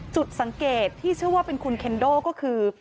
จุดสังเกตที่เชื่อว่าเป็นคุณเคนโดก็คือ